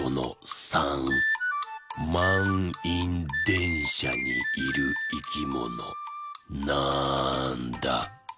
まんいんでんしゃにいるいきものなんだ？